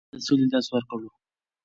ماشومانو ته بايد د سولې درس ورکړو.